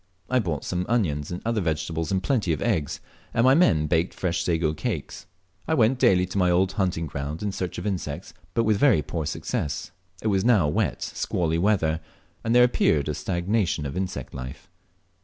I bought some onions and other vegetables, and plenty of eggs, and my men baked fresh sago cakes. I went daily to my old hunting ground in search of insects, but with very poor success. It was now wet, squally weather, and there appeared a stagnation of insect life.